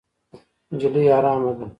نجلۍ ارامه ده.